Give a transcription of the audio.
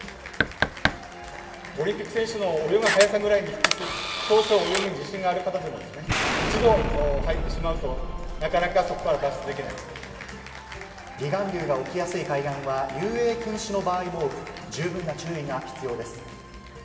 オリンピック選手の泳ぐ速さぐらいに匹敵する、少々泳ぎに自信がある方でも、一度入ってしまうと、離岸流が起きやすい海岸は、遊泳禁止の場合も多く、十分な注意が必要です。